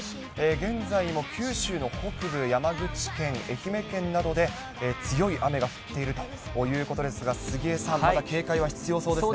現在も九州の北部、山口県、愛媛県などで、強い雨が降っているということですが、杉江さん、まだ警戒は必要そうですね。